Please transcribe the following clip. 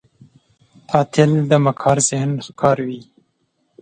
قاتل د مکار ذهن ښکار وي